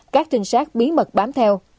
các trinh sát bí mật bám theo